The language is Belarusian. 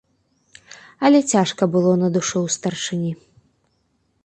Але цяжка было на душы ў старшыні.